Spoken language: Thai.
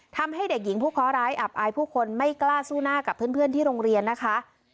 ทำให้เด็กหญิงผู้เคาะร้ายอับอายผู้คนไม่กล้าสู้หน้ากับเพื่อนที่โรงเรียนนะคะ